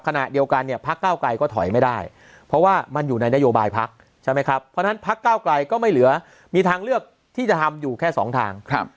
ขณะเดียวกันเนี่ยพักเก้าไกลก็ถอยไม่ได้เพราะว่ามันอยู่ในนโยบายพักใช่ไหมครับเพราะฉะนั้นพักเก้าไกลก็ไม่เหลือมีทางเลือกที่จะทำอยู่แค่สองทาง